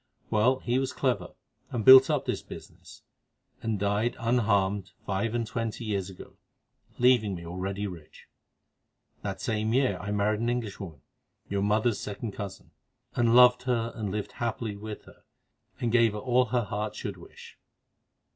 Well, he was clever, and built up this business, and died unharmed five and twenty years ago, leaving me already rich. That same year I married an Englishwoman, your mother's second cousin, and loved her and lived happily with her, and gave her all her heart could wish.